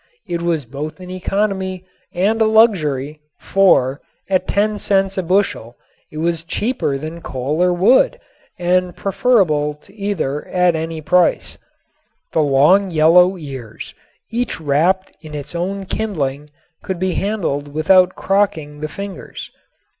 It was both an economy and a luxury, for at ten cents a bushel it was cheaper than coal or wood and preferable to either at any price. The long yellow ears, each wrapped in its own kindling, could be handled without crocking the fingers.